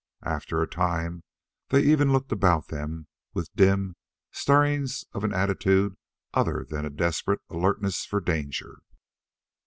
After a time they even looked about them with, dim stirrings of an attitude other than a desperate alertness for danger.